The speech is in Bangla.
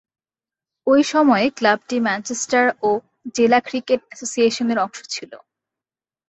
ঐ সময়ে ক্লাবটি ম্যানচেস্টার ও জেলা ক্রিকেট অ্যাসোসিয়েশনের অংশ ছিল।